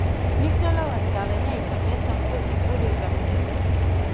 მნიშვნელოვანი გავლენა იქონია სომხურ ისტორიოგრაფიაზე.